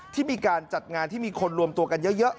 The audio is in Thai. ที่มีการจัดงานที่มีคนรวมตัวกันเยอะ